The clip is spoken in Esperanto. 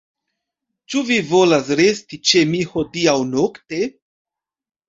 Ĉu vi volas resti ĉe mi hodiaŭ nokte?